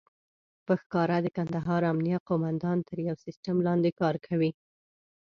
په ښکاره د کندهار امنيه قوماندان تر يو سيستم لاندې کار کوي.